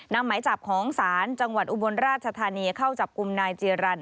หมายจับของศาลจังหวัดอุบลราชธานีเข้าจับกลุ่มนายจีรันดิ